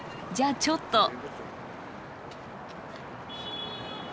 じゃあちょっと。